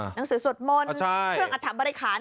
หนังสือสวดมนต์เครื่องอัฐบริคาร